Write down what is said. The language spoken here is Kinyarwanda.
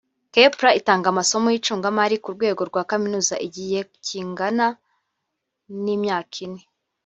Kepler itanga amasomo y’icungamari ari ku rwego rwa kaminuza igiye kingana n’imyaka ine